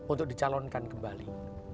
untuk dicalonkan kembali